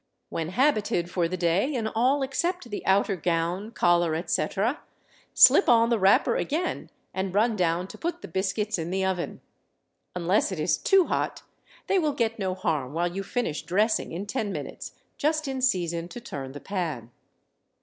When habited for the day in all except the outer gown, collar, etc., slip on the wrapper again and run down to put the biscuits in the oven. Unless it is too hot, they will get no harm while you finish dressing in ten minutes, just in season to turn the pan.